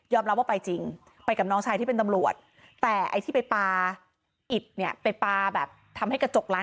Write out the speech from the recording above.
ยอมรับว่าไปจริงไปกับน้องชายที่เป็นตำรวจ